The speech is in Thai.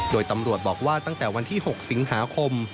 โดยตำรวจบอกว่าตั้งแต่วันที่๖สิงหาคม